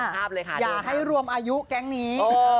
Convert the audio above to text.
อย่าให้รวมอายุแก๊งนี้